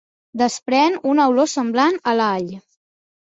Desprèn una olor semblant a l'all.